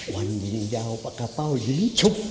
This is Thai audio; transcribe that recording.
วันหญิงยาวประกาศป้าวหญิงชุบ